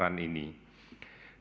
kita juga mengurangi paparan ini